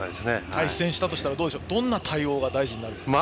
対戦したとしたらどんな対応が大事になりますか。